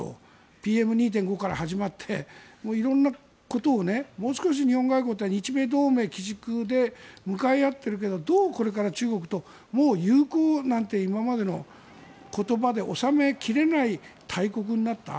ＰＭ２．５から始まって色んなことをもう少し日本外交というのは日米同盟基軸で向かい合っているけどどうこれから中国と友好なんて今までの言葉で収め切れない大国になった。